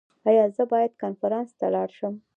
ایا زه باید کنفرانس ته لاړ شم؟